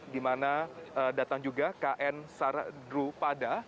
di mana datang juga kn sardrupada